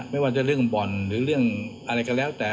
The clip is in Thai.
ไม่ว่าจะเรื่องบ่อนหรือเรื่องอะไรก็แล้วแต่